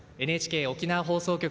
ＮＨＫ沖縄放送局